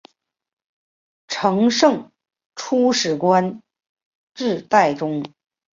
承圣初历官至侍中。